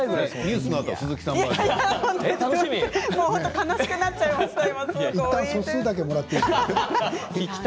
悲しくなっちゃいました。